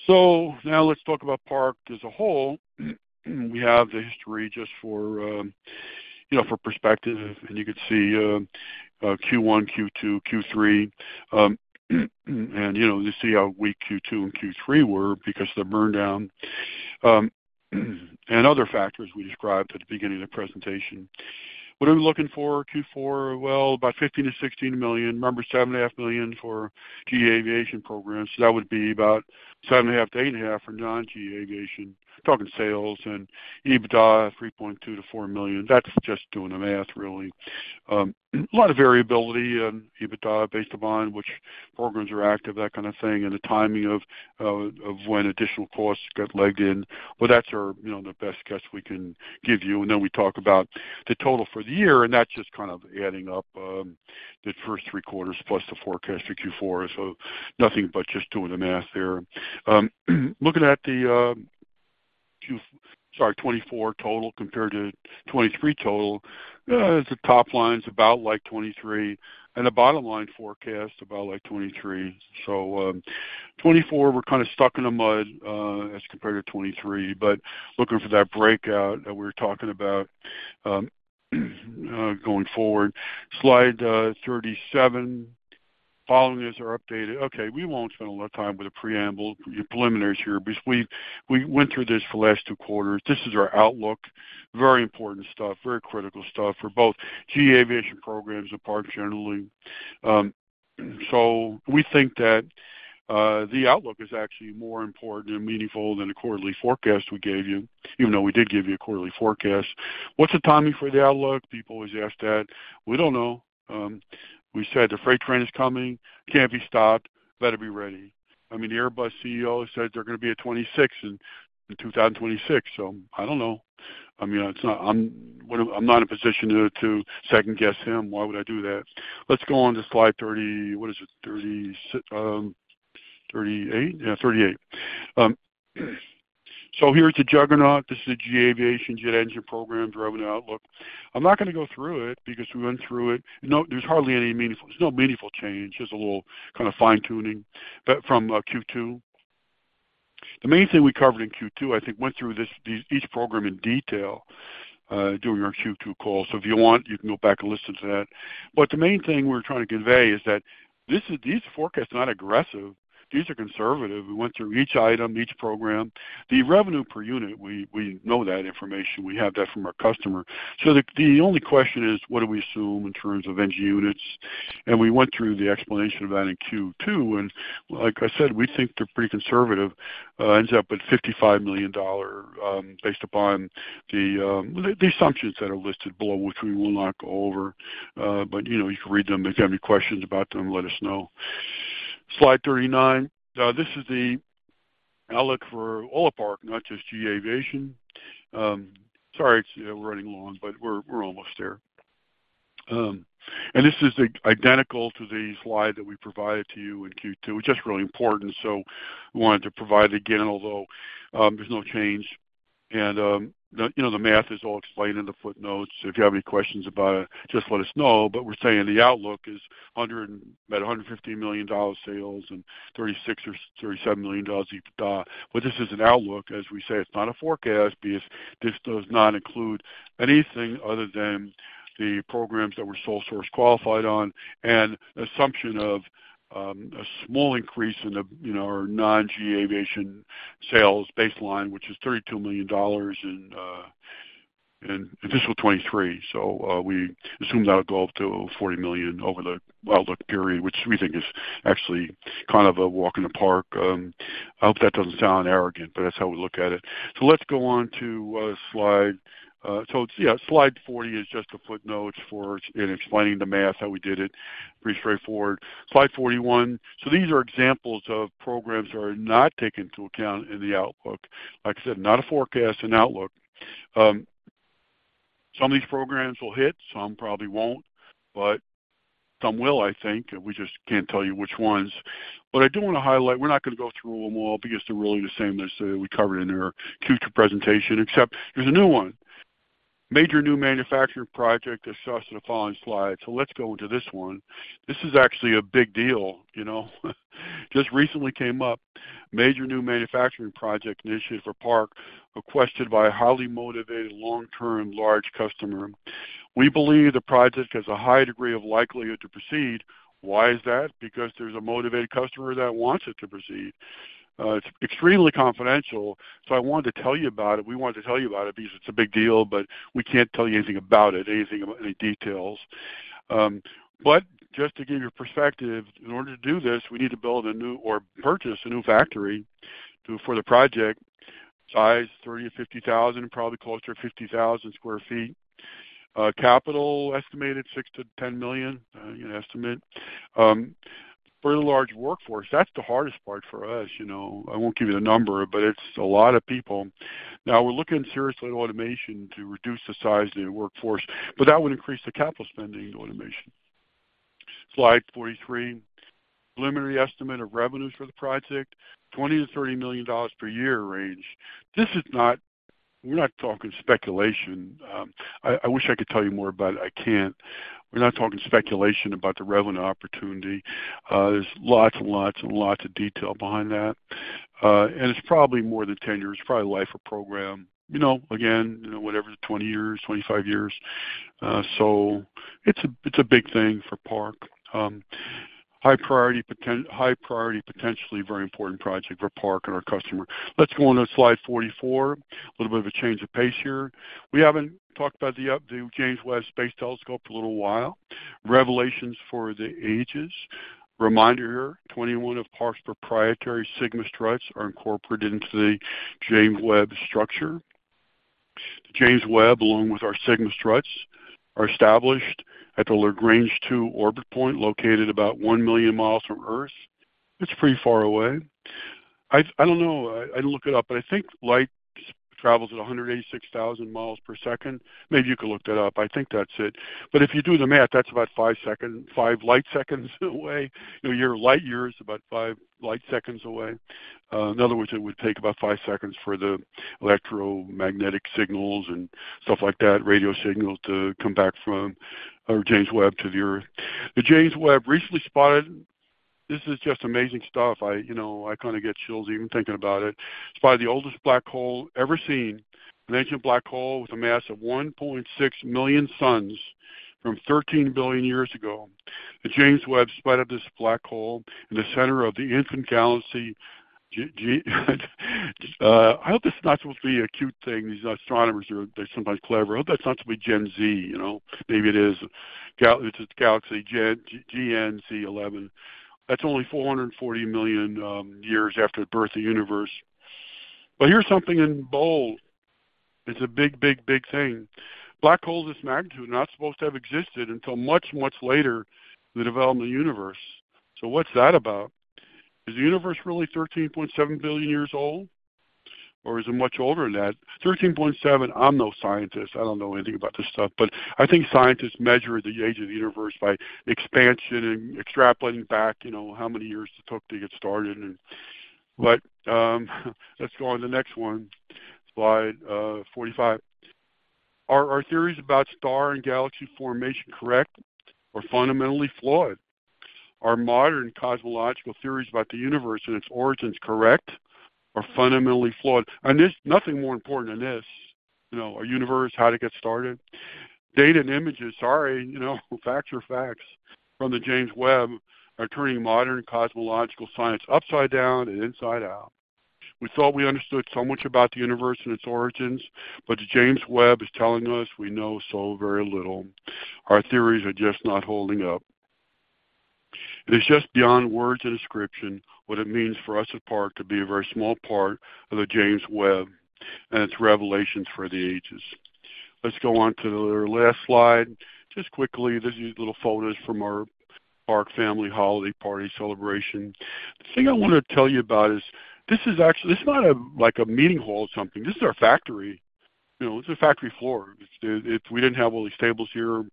So now let's talk about Park as a whole. We have the history just for, you know, for perspective, and you can see, Q1, Q2, Q3. and, you know, you see how weak Q2 and Q3 were because the burn down, and other factors we described at the beginning of the presentation. What are we looking for Q4? Well, about $15 million-$16 million, remember, $7.5 million for GE Aviation programs. That would be about $7.5-$8.5 for non-GE Aviation. Talking sales and EBITDA, $3.2 million-$4 million. That's just doing the math, really. A lot of variability in EBITDA based upon which programs are active, that kind of thing, and the timing of when additional costs get legged in. But that's our, you know, the best guess we can give you. And then we talk about the total for the year, and that's just kind of adding up, the first three quarters plus the forecast for Q4. So nothing but just doing the math there. Looking at the Q, sorry, 24 total compared to 23 total, the top line's about like 23, and the bottom line forecast about like 23. So, 24, we're kind of stuck in the mud, as compared to 23, but looking for that breakout that we were talking about, going forward. Slide 37. Following these are updated. Okay, we won't spend a lot of time with the preamble, preliminaries here, because we went through this for the last two quarters. This is our outlook. Very important stuff, very critical stuff for both GE Aviation programs and Park generally. So we think that the outlook is actually more important and meaningful than the quarterly forecast we gave you, even though we did give you a quarterly forecast. What's the timing for the outlook? People always ask that. We don't know. We said the freight train is coming, can't be stopped, better be ready. I mean, the Airbus CEO said they're going to be at 26 in 2026, so I don't know. I mean, it's not. I'm not in a position to second-guess him. Why would I do that? Let's go on to slide 30... What is it? 38? Yeah, 38. So here's the juggernaut. This is the GE Aviation jet engine program, driving the outlook. I'm not going to go through it because we went through it. No, there's hardly any meaningful, there's no meaningful change, just a little kind of fine-tuning, but from Q2. The main thing we covered in Q2, I think, went through this, these, each program in detail during our Q2 call. So if you want, you can go back and listen to that. But the main thing we're trying to convey is that this is, these forecasts are not aggressive. These are conservative. We went through each item, each program. The revenue per unit, we know that information. We have that from our customer. So the only question is, what do we assume in terms of engine units? And we went through the explanation of that in Q2, and like I said, we think they're pretty conservative. Ends up at $55 million based upon the assumptions that are listed below, which we will not go over. But you know, you can read them. If you have any questions about them, let us know. Slide 39. This is the outlook for all of PART, not just GE Aviation. Sorry, we're running long, but we're almost there. And this is identical to the slide that we provided to you in Q2, which is really important, so we wanted to provide again, although there's no change. You know, the math is all explained in the footnotes. If you have any questions about it, just let us know. But we're saying the outlook is about $115 million sales and $36 million-$37 million EBITDA. But this is an outlook, as we say, it's not a forecast, because this does not include anything other than the programs that we're sole source qualified on, and assumption of a small increase in, you know, our non-GE Aviation sales baseline, which is $32 million in fiscal 2023. So, we assume that'll go up to $40 million over the outlook period, which we think is actually kind of a walk in the park. I hope that doesn't sound arrogant, but that's how we look at it. So let's go on to, so yeah, slide 40 is just the footnotes for us in explaining the math, how we did it. Pretty straightforward. Slide 41. So these are examples of programs that are not taken into account in the outlook. Like I said, not a forecast, an outlook. Some of these programs will hit, some probably won't. Some will, I think, we just can't tell you which ones. But I do want to highlight, we're not going to go through them all because they're really the same as we covered in our Q2 presentation, except there's a new one. Major new manufacturing project discussed in the following slide. Let's go into this one. This is actually a big deal, you know? Just recently came up. Major new manufacturing project initiative for Park, requested by a highly motivated, long-term, large customer. We believe the project has a high degree of likelihood to proceed. Why is that? Because there's a motivated customer that wants it to proceed. It's extremely confidential, so I wanted to tell you about it. We wanted to tell you about it because it's a big deal, but we can't tell you anything about it, anything about any details. But just to give you perspective, in order to do this, we need to build a new or purchase a new factory to for the project. Size, 30,000-50,000, probably closer to 50,000 sq ft. Capital, estimated $6million-$10 million, an estimate. Fairly large workforce. That's the hardest part for us, you know. I won't give you the number, but it's a lot of people. Now, we're looking seriously at automation to reduce the size of the workforce, but that would increase the capital spending on automation. Slide 43. Preliminary estimate of revenues for the project, $20 million-$30 million per year range. This is not. We're not talking speculation. I wish I could tell you more, but I can't. We're not talking speculation about the revenue opportunity. There's lots and lots and lots of detail behind that. And it's probably more than 10 years, probably life of program, you know, again, you know, whatever, 20 years, 25 years. So it's a, it's a big thing for Park. High priority, potentially very important project for Park and our customer. Let's go on to slide 44. A little bit of a change of pace here. We haven't talked about the James Webb Space Telescope for a little while. Revelations for the ages. Reminder, 21 of Park's proprietary SIGMA STRUTS are incorporated into the James Webb structure. James Webb, along with our SIGMA STRUTS, are established at the Lagrange 2 orbit point, located about 1 million miles from Earth. It's pretty far away. I don't know. I had to look it up, but I think light travels at 186,000 miles per second. Maybe you could look that up. I think that's it. But if you do the math, that's about 5 seconds, 5 light seconds away. You know, your light year is about 5 light seconds away. In other words, it would take about 5 seconds for the electromagnetic signals and stuff like that, radio signals, to come back from our James Webb to the Earth. The James Webb recently spotted... This is just amazing stuff. I, you know, I kind of get chills even thinking about it. Spotted the oldest black hole ever seen, an ancient black hole with a mass of 1.6 million suns from 13 billion years ago. The James Webb spotted up this black hole in the center of the infant galaxy, G, G. I hope this is not supposed to be a cute thing. These astronomers are sometimes clever. I hope that's not supposed to be Gen Z, you know? Maybe it is. Gal- It's Galaxy Gen, GN-z11. That's only 440 million years after the birth of the universe. But here's something in bold. It's a big, big, big thing. Black holes this magnitude are not supposed to have existed until much, much later in the development of the universe. So what's that about? Is the universe really 13.7 billion years old, or is it much older than that? 13.7, I'm no scientist. I don't know anything about this stuff, but I think scientists measure the age of the universe by expansion and extrapolating back, you know, how many years it took to get started and... But, let's go on to the next one, slide 45. Are our theories about star and galaxy formation correct or fundamentally flawed? Are modern cosmological theories about the universe and its origins correct or fundamentally flawed? And there's nothing more important than this, you know, our universe, how to get started. Data and images, sorry, you know, facts are facts from the James Webb are turning modern cosmological science upside down and inside out. We thought we understood so much about the universe and its origins, but the James Webb is telling us we know so very little. Our theories are just not holding up. It is just beyond words and description, what it means for us at Park to be a very small part of the James Webb and its revelations for the ages. Let's go on to the last slide. Just quickly, this is little photos from our Park family holiday party celebration. The thing I want to tell you about is, this is actually, this is not a, like a meeting hall or something. This is our factory. You know, this is a factory floor. If, if we didn't have all these tables here,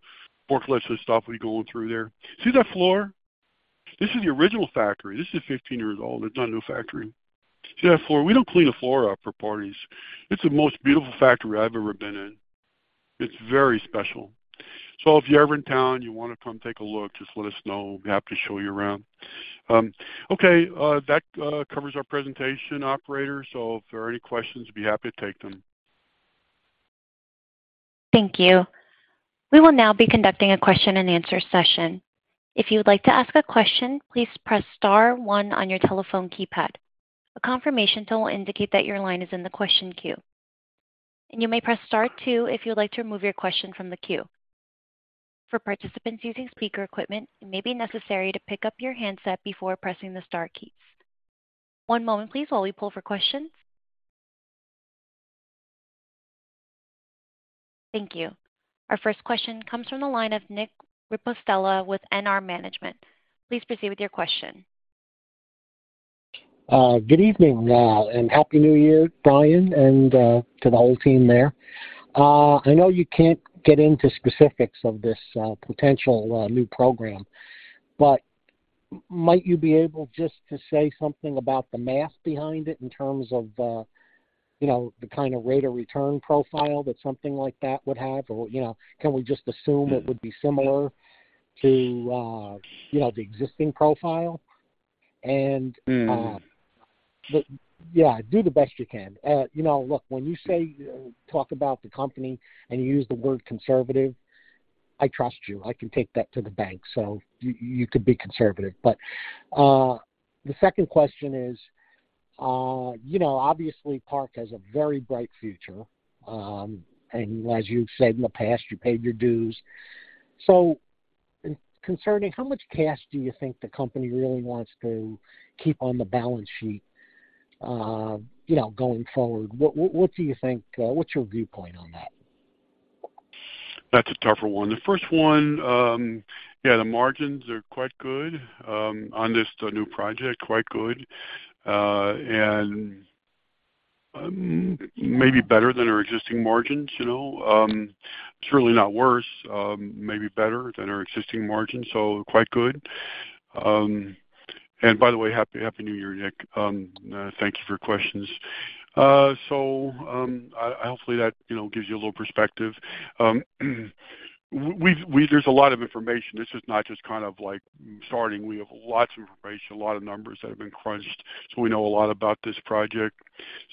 forklifts and stuff would be going through there. See that floor? This is the original factory. This is 15 years old. It's not a new factory. See that floor? We don't clean the floor up for parties. It's the most beautiful factory I've ever been in. It's very special. So if you're ever in town, you want to come take a look, just let us know. We'll be happy to show you around. Okay, that covers our presentation, operator. So if there are any questions, I'd be happy to take them. Thank you. We will now be conducting a question and answer session. If you would like to ask a question, please press Star one on your telephone keypad. A confirmation tone will indicate that your line is in the question queue, and you may press Star two if you would like to remove your question from the queue. For participants using speaker equipment, it may be necessary to pick up your handset before pressing the Star keys. One moment, please, while we pull for questions. Thank you. Our first question comes from the line of Nick Ripostella with NR Management. Please proceed with your question.... Good evening, and Happy New Year, Brian, and to the whole team there. I know you can't get into specifics of this potential new program, but might you be able just to say something about the math behind it in terms of, you know, the kind of rate of return profile that something like that would have? Or, you know, can we just assume it would be similar to, you know, the existing profile? And, Mm. Yeah, do the best you can. You know, look, when you say, talk about the company and you use the word conservative, I trust you. I can take that to the bank, so you could be conservative. But the second question is, you know, obviously, Park has a very bright future, and as you've said in the past, you paid your dues. So concerning how much cash do you think the company really wants to keep on the balance sheet, you know, going forward? What do you think? What's your viewpoint on that? That's a tougher one. The first one, the margins are quite good, on this, the new project, quite good, and maybe better than our existing margins, you know. Certainly not worse, maybe better than our existing margins, so quite good. And by the way, Happy, Happy New Year, Nick. Thank you for your questions. So I, hopefully, that, you know, gives you a little perspective. We've-- there's a lot of information. This is not just kind of like, starting. We have lots of information, a lot of numbers that have been crunched, so we know a lot about this project.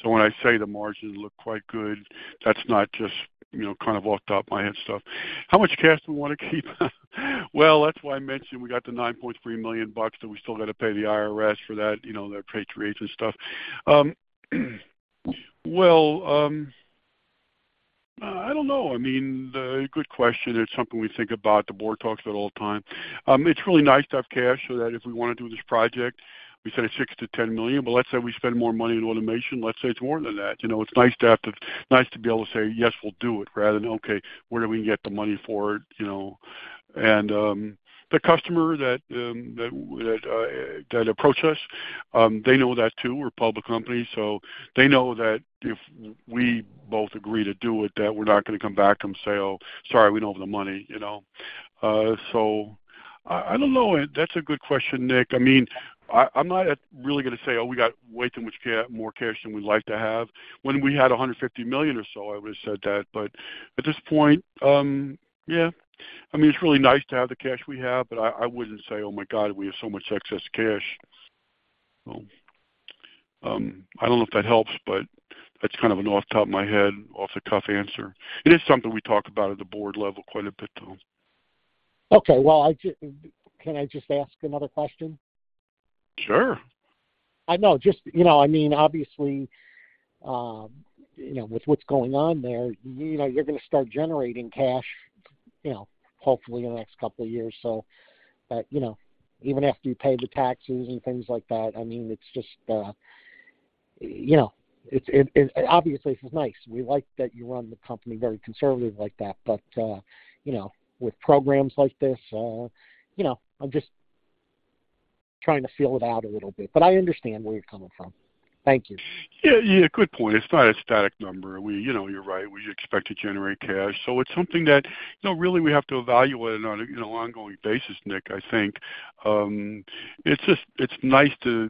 So when I say the margins look quite good, that's not just, you know, kind of off the top of my head stuff. How much cash do we want to keep? Well, that's why I mentioned we got the $9.3 million, but we still got to pay the IRS for that, you know, repatriation and stuff. Well, I don't know. I mean, good question. It's something we think about, the board talks about all the time. It's really nice to have cash so that if we want to do this project, we say $6 million-$10 million, but let's say we spend more money in automation. Let's say it's more than that. You know, it's nice to have to, nice to be able to say, "Yes, we'll do it," rather than, "Okay, where do we get the money for it?" You know? And the customer that approached us, they know that, too. We're a public company, so they know that if we both agree to do it, that we're not gonna come back to them and say, "Oh, sorry, we don't have the money," you know? So I don't know. That's a good question, Nick. I mean, I'm not really gonna say, "Oh, we got way too much more cash than we'd like to have." When we had $150 million or so, I would have said that, but at this point, yeah. I mean, it's really nice to have the cash we have, but I wouldn't say, "Oh, my God, we have so much excess cash." So, I don't know if that helps, but that's kind of an off the top of my head, off the cuff answer. It is something we talk about at the board level quite a bit, though. Okay, well, can I just ask another question? Sure. I know, just, you know, I mean, obviously, you know, with what's going on there, you know, you're gonna start generating cash, you know, hopefully in the next couple of years. So, but, you know, even after you pay the taxes and things like that, I mean, it's just, you know, it's obviously is nice. We like that you run the company very conservative like that, but, you know, with programs like this, you know, I'm just trying to feel it out a little bit, but I understand where you're coming from. Thank you. Yeah, yeah, good point. It's not a static number. We, you know, you're right, we expect to generate cash, so it's something that, you know, really, we have to evaluate on an, you know, ongoing basis, Nick, I think. It's just, it's nice to,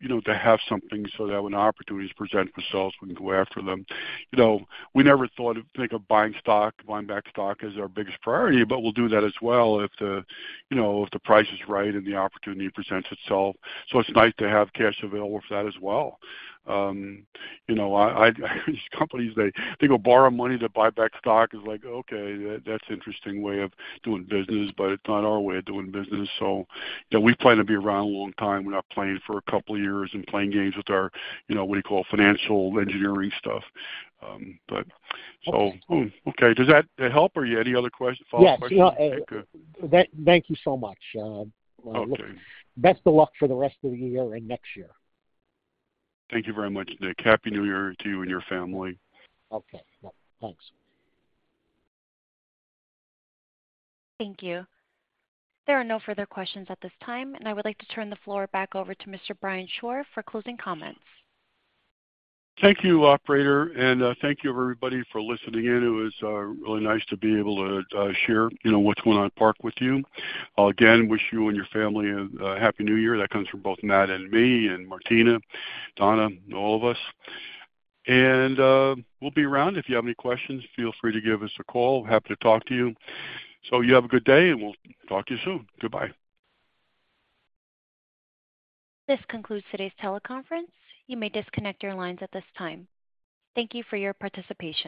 you know, to have something so that when opportunities present themselves, we can go after them. You know, we never thought of, think of buying stock, buying back stock as our biggest priority, but we'll do that as well if the, you know, if the price is right and the opportunity presents itself. So it's nice to have cash available for that as well. You know, I, these companies, they go borrow money to buy back stock. It's like, okay, that's an interesting way of doing business, but it's not our way of doing business. So, yeah, we plan to be around a long time. We're not playing for a couple of years and playing games with our, you know, what you call financial engineering stuff. But so... Okay. Does that help, or you any other question follow-up questions? Yes. Thank you so much, Okay. Best of luck for the rest of the year and next year. Thank you very much, Nick. Happy New Year to you and your family. Okay. Well, thanks. Thank you. There are no further questions at this time, and I would like to turn the floor back over to Mr. Brian Shore for closing comments. Thank you, operator, and thank you, everybody, for listening in. It was really nice to be able to share, you know, what's going on at Park with you. Again, wish you and your family a Happy New Year. That comes from both Matt and me and Martina, Donna, all of us. And we'll be around. If you have any questions, feel free to give us a call. Happy to talk to you. So you have a good day, and we'll talk to you soon. Goodbye. This concludes today's teleconference. You may disconnect your lines at this time. Thank you for your participation.